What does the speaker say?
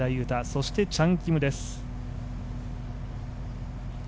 そしてチャン・キムです。